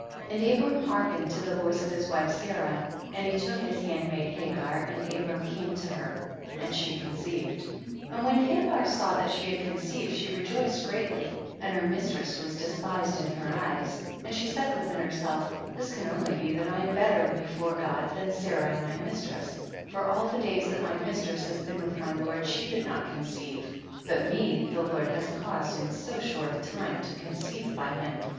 28. And Abram hearkened to the voice of his wife Sarai, and he took his handmaid Hagar and Abram came to her and she conceived. 29. And when Hagar saw that she had conceived she rejoiced greatly, and her mistress was despis ed in her eyes, and she said within herself, this can only be that I am better before God than Sarai my mistress, for all the days that my mistress has been with my lord^ she did not conceive, but me the Lord has caused in so shorB a time to conceive by him.